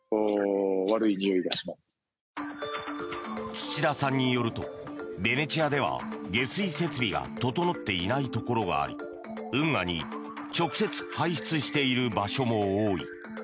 土田さんによるとベネチアでは下水設備が整っていないところがあり運河に直接排出している場所も多い。